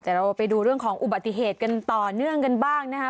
แต่เราไปดูเรื่องของอุบัติเหตุกันต่อเนื่องกันบ้างนะคะ